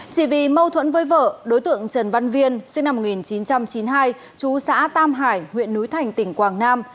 chỉ vì mâu thuẫn với vợ đối tượng trần văn viên sinh năm một nghìn chín trăm chín mươi hai chú xã tam hải huyện núi thành tỉnh quảng nam